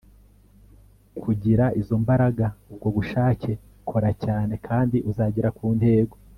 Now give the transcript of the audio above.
kugira izo mbaraga, ubwo bushake; kora cyane, kandi uzagera ku ntego